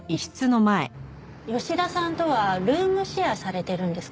吉田さんとはルームシェアされてるんですか？